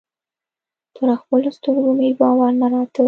پر خپلو سترګو مې باور نه راته.